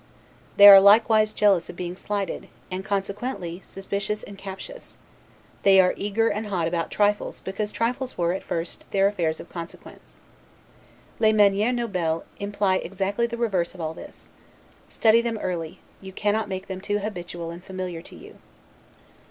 They are likewise jealous of being slighted; and, consequently, suspicious and captious; they are eager and hot about trifles because trifles were, at first, their affairs of consequence. 'Les manieres nobles' imply exactly the reverse of all this. Study them early; you cannot make them too habitual and familiar to you.